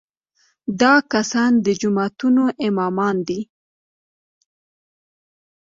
دا کسان د جوماتونو امامان دي.